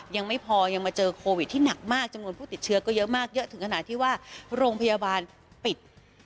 ยังไม่พอยังมาเจอโควิดที่หนักมากจำนวนผู้ติดเชื้อก็เยอะมากเยอะถึงขนาดที่ว่าโรงพยาบาลปิด